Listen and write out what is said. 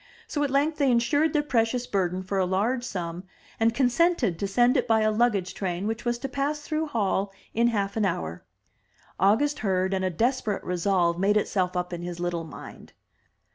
So at length they insured their precious burden for a large sum, and consented to send it by a luggage train which was to pass through Hall in half an hour. August heard, and a desperate resolve made itself up in his little mind.